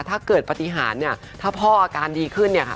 ถ้าเกิดปฏิหารเนี่ยถ้าพ่ออาการดีขึ้นเนี่ยค่ะ